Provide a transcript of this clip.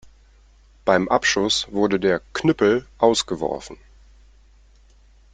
Beim Abschuss wurde der „Knüppel“ ausgeworfen.